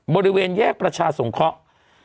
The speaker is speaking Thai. บริเวณแยกประชาสงเคราะห์